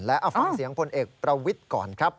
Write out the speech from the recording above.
เอาฟังเสียงพลเอกประวิทย์ก่อนครับ